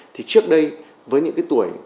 thì trước đây với những cái tuổi